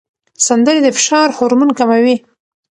سندرې د فشار هورمون کموي.